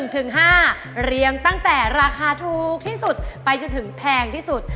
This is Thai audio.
เรียงตั้งแต่ราคาถูกที่สุดไปจนถึงแพงที่สุด